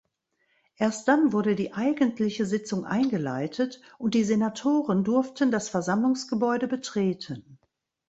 Erst dann wurde die eigentliche Sitzung eingeleitet und die Senatoren durften das Versammlungsgebäude betreten.